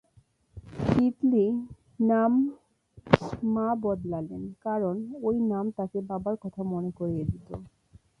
তিতলি নাম মা বদলালেন, কারণ এই নাম তাঁকে বাবার কথা মনে করিয়ে দিত।